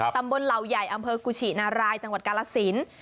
ตำบลเหล่าใหญ่อำเภอกุชินารายจังหวัดกาลสิน